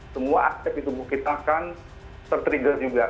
semua aspek di tubuh kita akan tertrigger juga